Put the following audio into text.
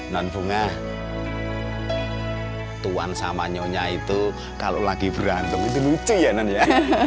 non bunga tuan sama nyonya itu kalau lagi berantem itu lucu ya non ya